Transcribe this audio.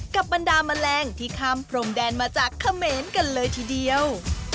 บรรดาแมลงที่ข้ามพรมแดนมาจากเขมรกันเลยทีเดียว